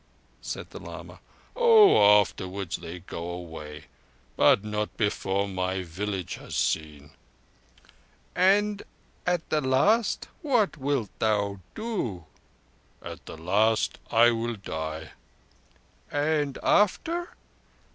said the lama. "Oh, afterwards they go away, but not before my village has seen." "And at the last what wilt thou do?" "At the last I shall die." "And after?"